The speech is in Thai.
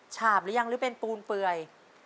ฉาบหรือยังหรือเป็นปูนเปื่อย